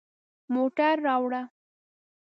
موټر راوړه